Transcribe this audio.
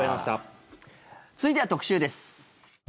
続いては特集です。